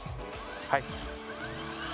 はい。